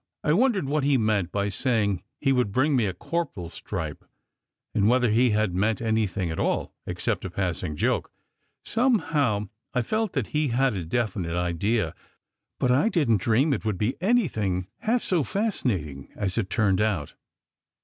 I wondered what he had meant by saying he would bring me a "corporal s stripe," and whether he had meant anything at all, except a passing joke. Somehow, I felt that he had had a definite idea, but I didn t dream it would be any thing half so fascinating as it turned out.